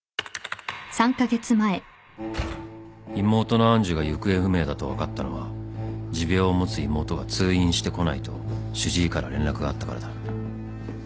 ［妹の愛珠が行方不明だと分かったのは持病を持つ妹が通院してこないと主治医から連絡があったからだ］